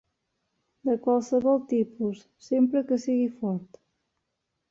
De qualsevol tipus, sempre que sigui fort.